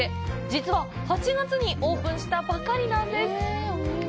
実は８月にオープンしたばかりなんです。